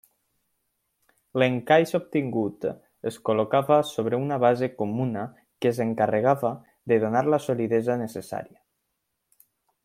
L'encaix obtingut es col·locava sobre una base comuna, que s'encarregava de donar la solidesa necessària.